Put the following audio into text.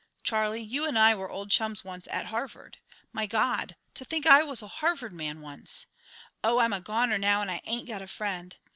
Charlie, you and I were old chums once at Harvard. My God! to think I was a Harvard man once! Oh, I'm a goner now and I ain't got a friend.